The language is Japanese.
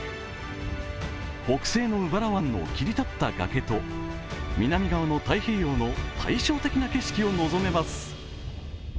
北西の鵜原湾の切り立った崖と南側の太平洋の対照的な景色を望めます。